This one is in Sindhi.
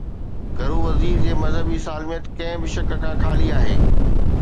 گهرو وزير جي مذهبي سالميت ڪنهن به شڪ کان خالي آهي.